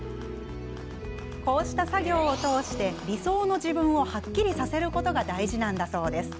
こうした作業を通して理想の自分をはっきりさせることが大事なんだそうです。